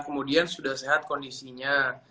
kemudian sudah sehat kondisinya